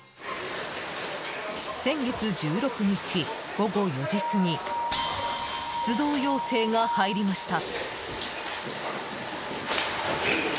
先月１６日、午後４時過ぎ出動要請が入りました。